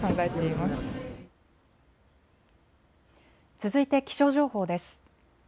続いて気象情報です。